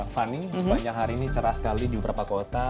fani sepanjang hari ini cerah sekali di beberapa kota